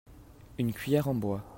une cuillère en bois.